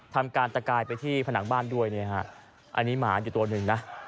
ทำการตะกายไปที่ผนังบ้านด้วยเนี่ยฮะอันนี้หมาอยู่ตัวหนึ่งนะ